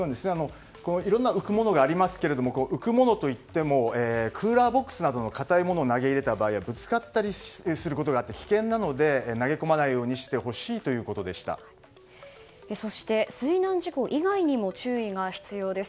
いろんな浮くものがありますけれども浮くものといってもクーラーボックスなどの硬いものを投げ入れた場合はぶつかったりすることがあって危険なので投げ込まないようにしてほしいそして、水難事故以外にも注意が必要です。